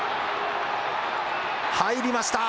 入りました。